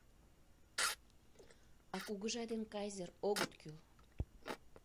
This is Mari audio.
— А «Кугыжа ден кайзер огыт кӱл!